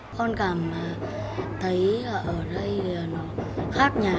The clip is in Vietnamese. con cảm thấy ở đây nó khác nhà